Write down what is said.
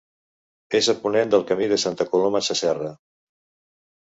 És a ponent del Camí de Santa Coloma Sasserra.